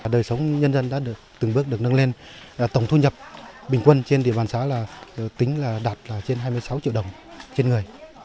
đời sống nhân dân đã từng bước được nâng lên tổng thu nhập bình quân trên địa bàn xã tính là đạt trên hai mươi sáu triệu đồng trên người